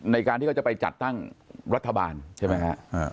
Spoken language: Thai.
ในการที่เขาจะไปจัดตั้งรัฐบาลใช่ไหมฮะ